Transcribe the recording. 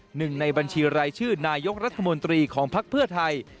หนึ่งในบัญชีรายชื่อนายกรัฐมนตรีของภักดิ์เพื่อไทย